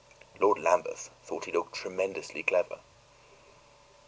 Lord Lambeth thought he looked tremendously clever.